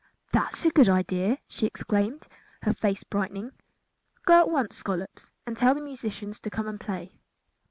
"That is a good idea," she exclaimed, her face brightening. "Go at once, Scollops and tell the musicians to come and play."